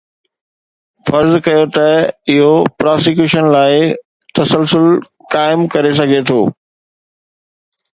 فرض ڪيو ته اهو پراسيڪيوشن لاء تسلسل قائم ڪري سگهي ٿو